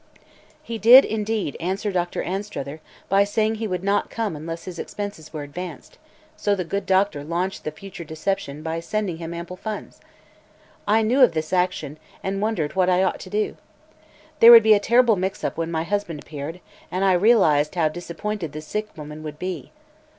"He did, indeed, answer Doctor Anstruther by saying he would not come unless his expenses were advanced, so the good doctor launched the future deception by sending him ample funds. I knew of this action and wondered what I ought to do. There would be a terrible mix up when my husband appeared, and I realized how disappointed the sick woman would be.